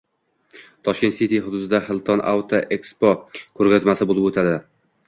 Tashkent City hududida Hilton Auto Expo ko‘rgazmasi bo‘lib o‘tadi